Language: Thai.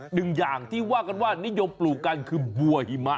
หนึ่งอย่างที่ว่ากันว่านิยมปลูกกันคือบัวหิมะ